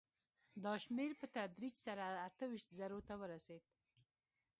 دا شمېر په تدریج سره اته ویشت زرو ته ورسېد